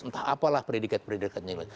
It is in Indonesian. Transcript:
entah apalah predikat predikatnya